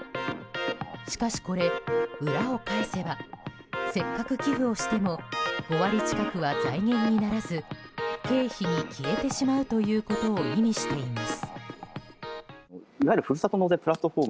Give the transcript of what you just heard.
しかしこれ、裏を返せばせっかく寄付をしても５割近くは財源にならず経費に消えてしまうということを意味しています。